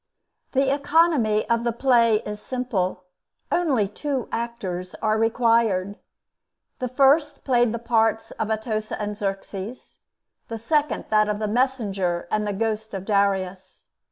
The economy of the play is simple: only two actors are required. The first played the parts of Atossa and Xerxes, the second that of the messenger and the ghost of Darius.